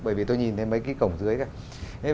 bởi vì tôi nhìn thấy mấy cái cổng dưới cả